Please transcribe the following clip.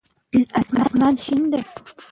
تعلیم د سوچ انکشاف لپاره مهم دی.